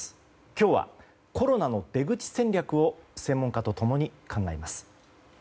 今日はコロナの出口戦略を専門家と共に考えます。